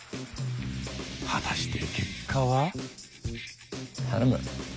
果たして結果は？